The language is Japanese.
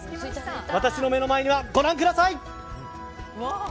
私の目の前にはご覧ください。